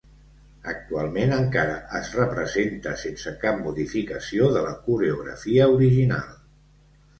Actualment encara es representa sense cap modificació de la coreografia original.